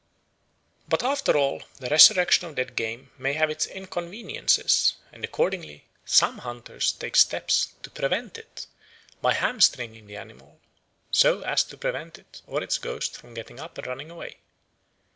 But after all the resurrection of dead game may have its inconveniences, and accordingly some hunters take steps to prevent it by hamstringing the animal so as to prevent it or its ghost from getting up and running away.